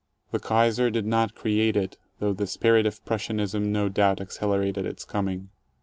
The Kaiser did not create it, though the spirit of Prussianism no doubt accelerated its coming.